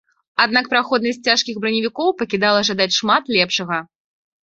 Аднак праходнасць цяжкіх браневікоў пакідала жадаць шмат лепшага.